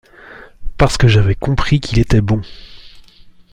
parce que j’avais compris qu’il était bon.